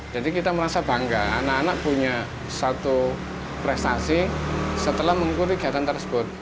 jadi kita merasa bangga anak anak punya satu prestasi setelah mengikuti kegiatan tersebut